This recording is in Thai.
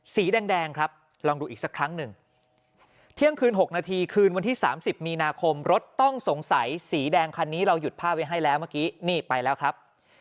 สีแดงครับลองดูอีกสักครั้งหนึ่งเที่ยงคืน๖นาทีคืนวันที่๓๐มีนาคมรถต้องสงสัยสีแดงคันนี้เราหยุดผ้าไว้ให้แล้วเมื่อกี้นี่ไปแล้วครับ